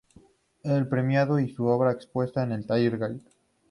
Es premiado y su obra expuesta en la Tate Gallery.